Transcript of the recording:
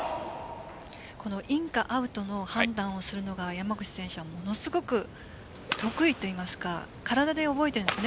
インかアウトの判断をするのが山口選手はものすごく得意といいますか体で覚えているんですね